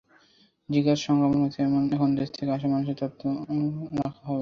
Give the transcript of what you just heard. জিকার সংক্রমণ হয়েছে এমন দেশ থেকে আসা মানুষের তথ্যও রাখা হবে।